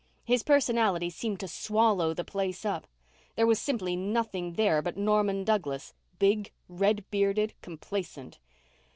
His personality seemed to swallow the place up. There was simply nothing there but Norman Douglas, big, red bearded, complacent.